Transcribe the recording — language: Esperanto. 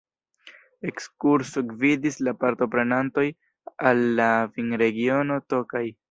Ekskurso gvidis la partoprenantojn al la vinregiono Tokaj.